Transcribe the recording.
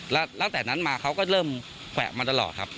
แล้วตั้งแต่นั้นมาเขาก็เริ่มแขวะมาตลอดครับ